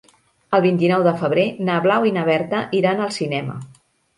El vint-i-nou de febrer na Blau i na Berta iran al cinema.